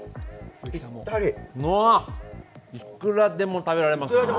いくらでも食べられます。